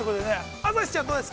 朝日ちゃんはどうですか。